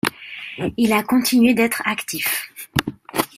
Il a continué d'être actif.